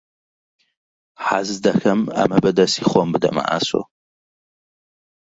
حەز دەکەم ئەمە بە دەستی خۆم بدەمە ئاسۆ.